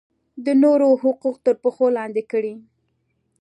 د نورو حقوق تر پښو لاندې کړي.